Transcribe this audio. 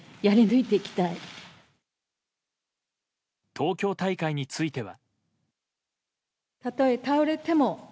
東京大会については。